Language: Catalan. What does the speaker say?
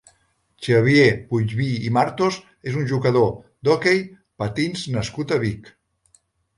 Xavier Puigbí i Martos és un jugador d'hoquei patins nascut a Vic.